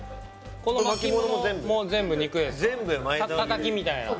この巻物も全部肉ですか？